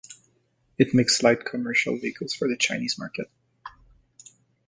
It makes Light commercial vehicles for the Chinese market.